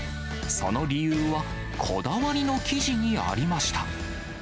その理由は、こだわりの生地にありました。